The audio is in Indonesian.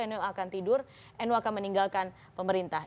nu akan tidur nu akan meninggalkan pemerintah